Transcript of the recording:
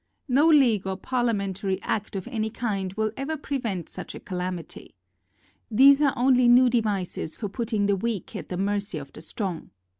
No league or parliamentary act of any kind will ever prevent such a ca lamity. These are only new devices for putting the weak at the mercy of the strong.